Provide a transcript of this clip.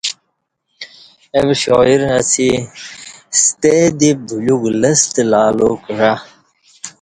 او شاعر اسی ستہ دی بلیوک لستہ لالو کعہ